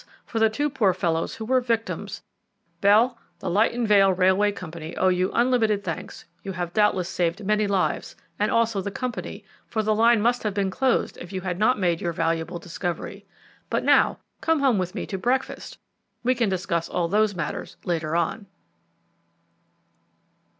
for the two poor fellows who were victims. Bell, the Lytton Vale Railway Company owe you unlimited thanks; you have doubtless saved many lives, and also the Company, for the line must have been closed if you had not made your valuable discovery. But now come home with me to breakfast. We can discuss all those matters later on."